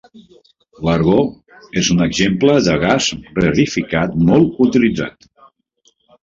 L'argó és un exemple de gas rarificat molt utilitzat.